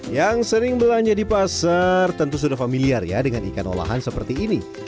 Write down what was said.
yang sering belanja di pasar tentu sudah familiar ya dengan ikan olahan seperti ini